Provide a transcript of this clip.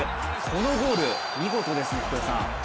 このゴール、見事ですね、福田さん。